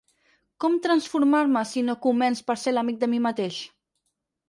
Com transformar-me si no començ per ser l’amic de mi mateix?